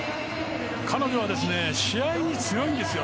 彼女は試合に強いんですよ。